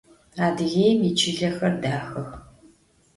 Adıgêim yiçılexer daxex.